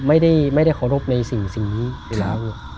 ไม่ได้เคารพใน๔สิ่งนี้อยู่แล้ว